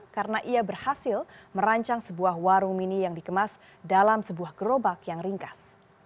karena ia berhasil merancang sebuah warung mini yang dikemas dalam sebuah gerobak yang ringkas